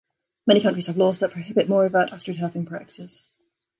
Many countries have laws that prohibit more overt astroturfing practices.